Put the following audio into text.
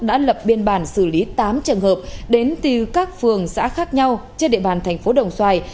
đã lập biên bản xử lý tám trường hợp đến từ các phường xã khác nhau trên địa bàn thành phố đồng xoài